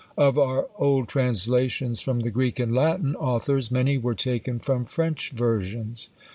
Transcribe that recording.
Of our old translations from the Greek and Latin authors, many were taken from French versions.